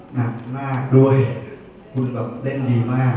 หนักมากด้วยคุณแบบเล่นดีมาก